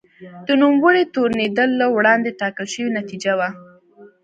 د نوموړي تورنېدل له وړاندې ټاکل شوې نتیجه وه.